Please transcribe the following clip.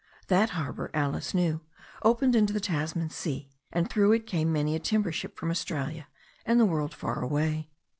That harbour, Alice knew, opened into the Tas man Sea, and through it came many a timber ship from Australia and the world far away.